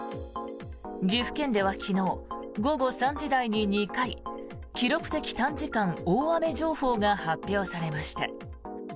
岐阜県では昨日午後３時台に２回記録的短時間大雨情報が発表されました。